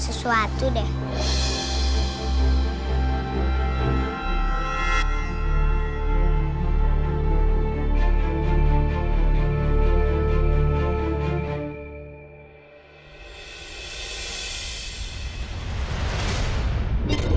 eh ya tuhan